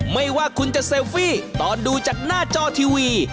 ไม่ว่าคุณจะเซลฟี่ตอนดูจากหน้าจอทีวี